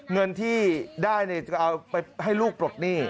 เงินที่ได้จะเอาไปให้ลูกปลดหนี้